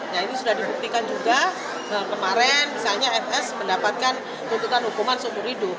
nah ini sudah dibuktikan juga kemarin misalnya fs mendapatkan tuntutan hukuman seumur hidup